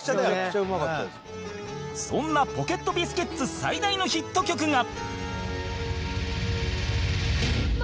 そんなポケットビスケッツ最大のヒット曲が